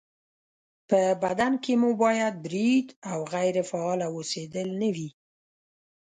په بدن کې مو باید برید او غیرې فعاله اوسېدل نه وي